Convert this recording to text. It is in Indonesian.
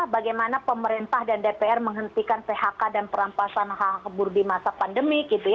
bagaimana pemerintah dan dpr menghentikan phk dan perampasan kebur di masa pandemi